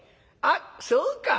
あっそうか。